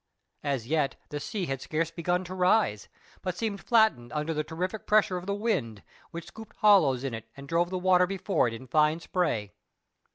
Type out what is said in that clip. As yet the sea had scarce begun to rise, but seemed flattened under the terrific pressure of the wind, which scooped hollows in it and drove the water before it in fine spray.